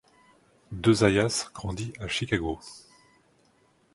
De Zayas grandit à Chicago.